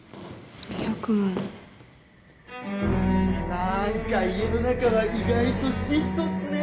なんか家の中は意外と質素っすね。